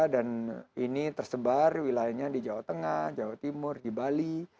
dan ini tersebar wilayahnya di jawa tengah jawa timur di bali